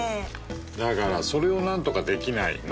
だからそれを何とかできないの！